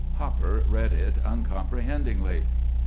Hopper read it uncomprehendingly.